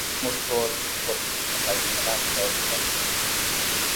موږ ټول پورتني مطالب په لاندې ډول خلاصه کوو.